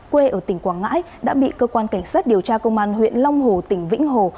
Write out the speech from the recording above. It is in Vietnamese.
quê ở tỉnh quảng ngãi đã bị cơ quan cảnh sát điều tra công an huyện long hồ tỉnh vĩnh hồ